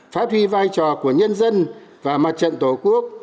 phát huy vai trò của nhân dân và mặt trận tổ quốc